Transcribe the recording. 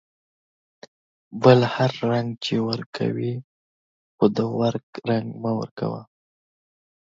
بل هر رنگ چې ورکوې ، خو د ورک رنگ مه ورکوه.